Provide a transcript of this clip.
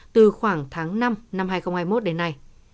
từ khoảng tháng năm năm hai nghìn hai mươi một đến nay